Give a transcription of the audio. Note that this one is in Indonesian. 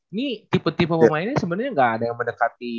ini tipe tipe pemainnya sebenarnya nggak ada yang mendekati